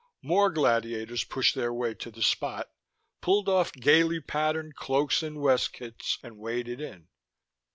More gladiators pushed their way to the Spot, pulled off gaily patterned cloaks and weskits, and waded in.